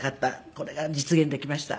これが実現できました。